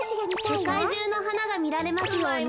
せかいじゅうのはながみられますように。